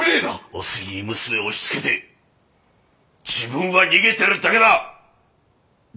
お杉に娘を押しつけて自分は逃げてるだけだ！